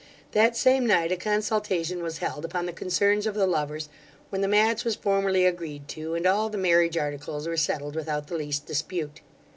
That same night a consultation was held upon the concerns of the lovers, when the match was formally agreed to, and all the marriage articles were settled without the least dispute.